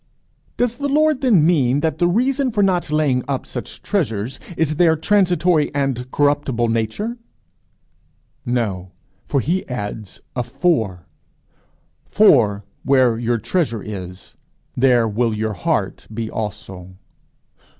"Does the Lord then mean that the reason for not laying up such treasures is their transitory and corruptible nature?" "No. He adds a For: 'For where your treasure is, there will your heart be also.'"